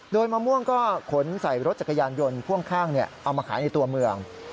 โดยมะม่วงก็ขนใส่รถจักรยานยนต์พ่วงข้างเอามาขายในตัวเมือง